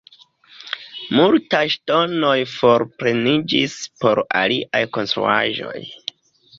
Multaj ŝtonoj forpreniĝis por aliaj konstruaĵoj.